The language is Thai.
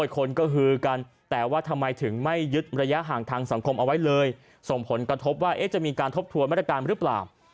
คนก็ฮือกันแต่ว่าทำไมถึงไม่ยึดระยะห่างทางสังคมเอาไว้เลยส่งผลกระทบว่าจะมีการทบทวนมาตรการหรือเปล่า